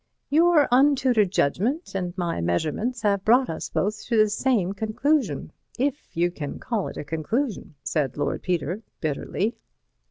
"Your untutored judgment and my measurements have brought us both to the same conclusion—if you can call it a conclusion," said Lord Peter, bitterly.